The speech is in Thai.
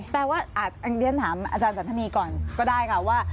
แต่ว่าอาจารย์เดี๋ยวถามอาจารย์จันทนีย์ก่อนก็ได้ค่ะว่า